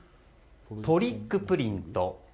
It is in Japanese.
トリックプリント。